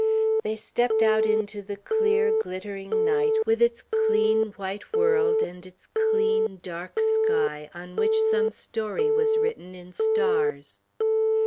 They stepped out into the clear, glittering night, with its clean, white world, and its clean, dark sky on which some story was written in stars.